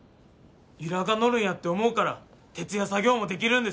由良が乗るんやって思うから徹夜作業もできるんですよ。